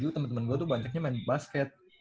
temen temen gue tuh banyaknya main basket